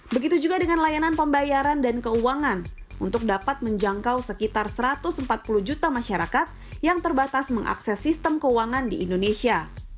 begitu juga dengan layanan pembayaran dan keuangan untuk dapat menjangkau sekitar satu ratus empat puluh juta masyarakat yang terbatas mengakses sistem keuangan di indonesia